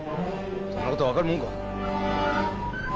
そんなことは分かるもんか。